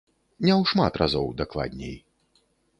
Не ў шмат разоў, дакладней.